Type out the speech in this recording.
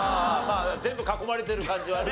全部囲まれてる感じはね。